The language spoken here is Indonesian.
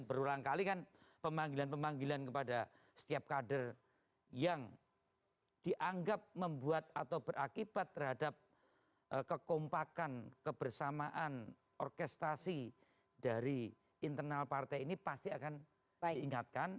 berulang kali kan pemanggilan pemanggilan kepada setiap kader yang dianggap membuat atau berakibat terhadap kekompakan kebersamaan orkestrasi dari internal partai ini pasti akan diingatkan